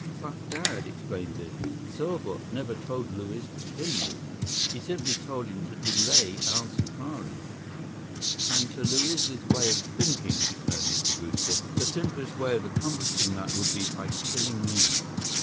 "But, Dad!" exclaimed Biff. "Serbot never told Luiz to kill you. He simply told him to delay our safari." "And to Luiz's way of thinking," declared Mr. Brewster, "the simplest way of accomplishing that would be by killing me.